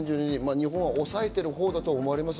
日本は抑えているほうだと思われます。